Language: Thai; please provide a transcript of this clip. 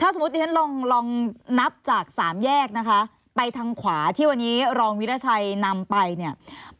สมมุติที่ฉันลองลองนับจากสามแยกนะคะไปทางขวาที่วันนี้รองวิราชัยนำไปเนี่ย